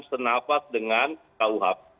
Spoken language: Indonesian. senafat dengan kuhp